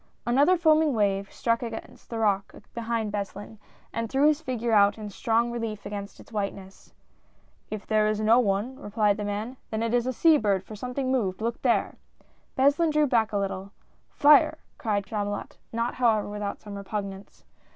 Another foaming wave struck against the rock behind Beslin, and threw his figure out in strong relief against its whiteness. THE NIGHT AFTER. 57 " If there is no one," replied the man, " then it is a sea bird, for something moved. Look there !" Beslin drew back a little. " Fife I " cried Chamulot, not however without some repugnance.